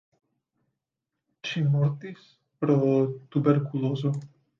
Ŝi mortis pro tuberkulozo.